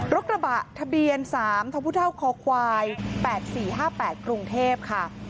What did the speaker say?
กระบะทะเบียน๓ทพคควาย๘๔๕๘กรุงเทพค่ะ